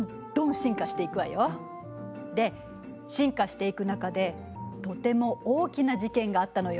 で進化していく中でとても大きな事件があったのよ。